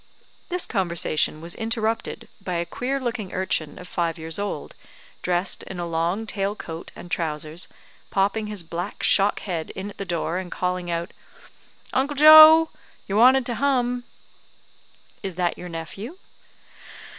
This conversation was interrupted by a queer looking urchin of five years old, dressed in a long tailed coat and trousers, popping his black shock head in at the door, and calling out, "Uncle Joe! You're wanted to hum." "Is that your nephew?"